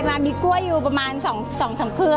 ไพม่้าในกล้วยอยู่ประมาณ๒๓เคลือ